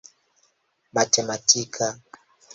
matematika